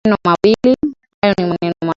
Hayo ni maneno mawili